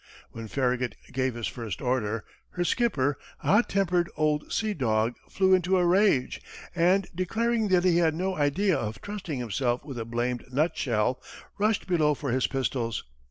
When Farragut gave his first order, her skipper, a hot tempered old sea dog, flew into a rage, and declaring that he had "no idea of trusting himself with a blamed nutshell," rushed below for his pistols.